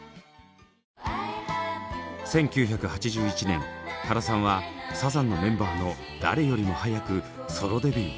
１９８１年原さんはサザンのメンバーの誰よりも早くソロデビュー。